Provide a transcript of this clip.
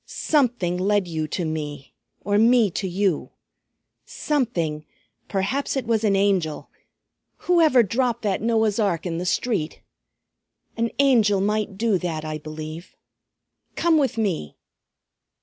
Something led you to me, or me to you; something, perhaps it was an Angel, whoever dropped that Noah's ark in the street. An Angel might do that, I believe. Come with me."